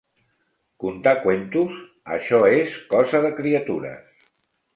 Contar qüentos? Això és cosa de criatures.